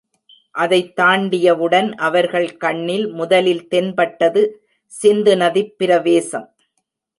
அதைத் தாண்டியவுடன் அவர்கள் கண்ணில் முதலில் தென்பட்டது சிந்துநதிப் பிரவேசம்.